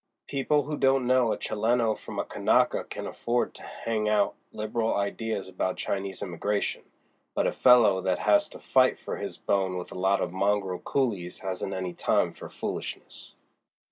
People who don't know a Chileno from a Kanaka can afford to hang out liberal ideas about Chinese immigration, but a fellow that has to fight for his bone with a lot of mongrel coolies hasn't any time for foolishness."